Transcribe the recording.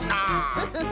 フフフ。